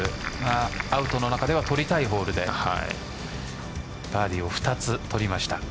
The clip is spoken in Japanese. アウトの中では取りたいホールでバーディーを２つ取りました。